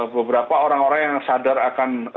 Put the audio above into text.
beberapa orang orang yang sadar akan